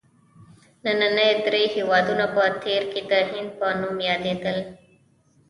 ننني درې هېوادونه په تېر کې د هند په نوم یادیدل.